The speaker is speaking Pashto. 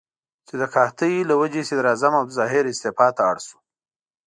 چې د قحطۍ له وجې صدراعظم عبدالظاهر استعفا ته اړ شو.